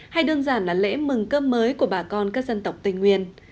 hay đơn giản là lễ mừng cơm mới của bà con các dân tộc tây nguyên